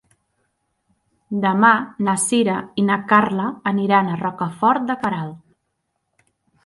Demà na Sira i na Carla aniran a Rocafort de Queralt.